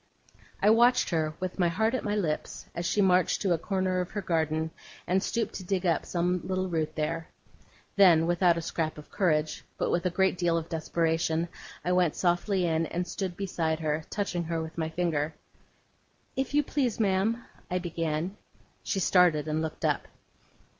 I watched her, with my heart at my lips, as she marched to a corner of her garden, and stooped to dig up some little root there. Then, without a scrap of courage, but with a great deal of desperation, I went softly in and stood beside her, touching her with my finger. 'If you please, ma'am,' I began. She started and looked up.